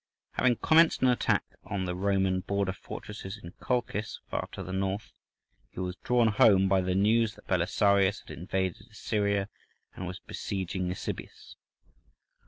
Having commenced an attack on the Roman border fortresses in Colchis, far to the north, he was drawn home by the news that Belisarius had invaded Assyria and was besieging Nisibis.